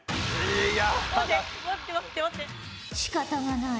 しかたがない。